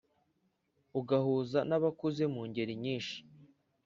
Ugahuza n'abakuze mu ngeli nyinshi